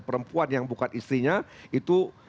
perempuan yang bukan istrinya itu